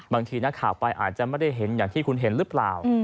บางทีนักข่าวไปอาจจะไม่ได้เห็นอย่างที่คุณเห็นหรือเปล่า